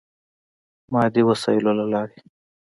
مادي وسایلو له لارې.